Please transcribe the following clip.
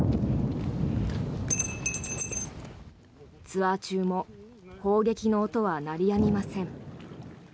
ツアー中も砲撃の音は鳴りやみません。